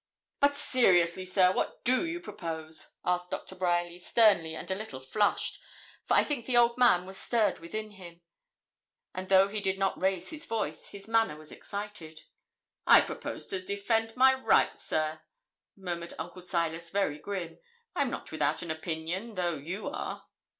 'But seriously, sir, what do you propose?' asked Doctor Bryerly, sternly and a little flushed, for I think the old man was stirred within him; and though he did not raise his voice, his manner was excited. 'I propose to defend my rights, sir,' murmured Uncle Silas, very grim. 'I'm not without an opinion, though you are.'